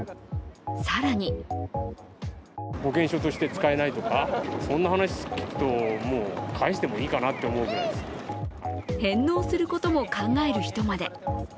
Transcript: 更に返納することも考える人まで。